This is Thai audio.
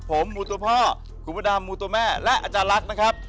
ผมมูตัวพ่อคุณพระดำมูตัวแม่และอาจารย์ลักษณ์นะครับ